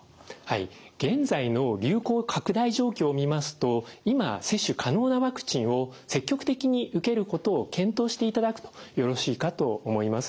現在の流行拡大状況を見ますと今接種可能なワクチンを積極的に受けることを検討していただくとよろしいかと思います。